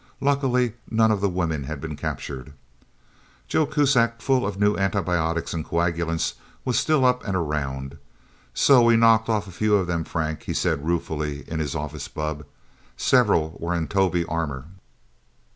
Luckily, none of the women had been captured. Joe Kuzak, full of new antibiotics and coagulants, was still up and around. "So we knocked off a few of them, Frank," he said ruefully in his office bubb. "Several were in Tovie armor.